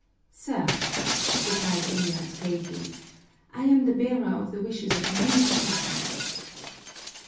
"Sir," replied Elias gravely, "I am the bearer of the wishes of many unfortunates."